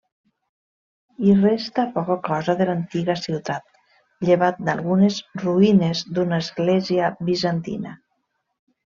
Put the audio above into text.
Hi resta poca cosa de l'antiga ciutat, llevat d'algunes ruïnes d'una església bizantina.